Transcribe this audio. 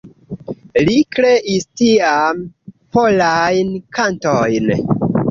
Li kreis tiam "Polajn Kantojn".